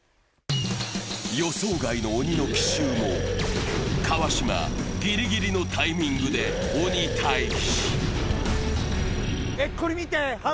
予想外の鬼の奇襲も、川島ギリギリのタイミングで鬼タイジ。